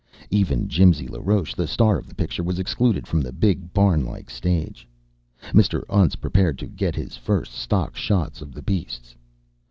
Even Jimsy LaRoche, the star of the picture, was excluded from the big barn like stage. Mr. Untz prepared to get his first stock shots of the beasts.